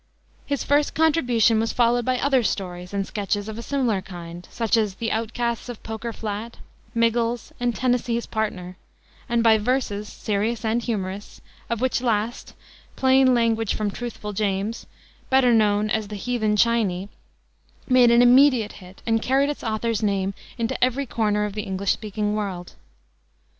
His first contribution was followed by other stories and sketches of a similar kind, such as the Outcasts of Poker Flat, Miggles, and Tennessee's Partner, and by verses, serious and humorous, of which last, Plain Language from Truthful James, better known as the Heathen Chinee, made an immediate hit, and carried its author's name into every corner of the English speaking world.